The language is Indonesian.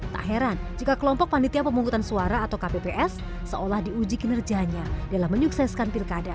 tak heran jika kelompok panitia pemungutan suara atau kpps seolah diuji kinerjanya dalam menyukseskan pilkada